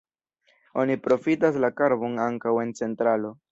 Oni profitas la karbon ankaŭ en centralo.